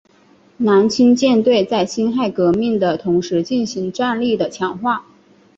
南清舰队在辛亥革命的同时进行战力的强化。